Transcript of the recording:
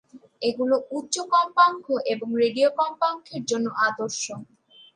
এগুলি উচ্চ কম্পাঙ্ক এবং রেডিও কম্পাঙ্কের জন্য আদর্শ।